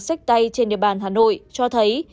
sách tây trên địa bàn hà nội cho thấy